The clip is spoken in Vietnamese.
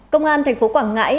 công an tp quảng ngãi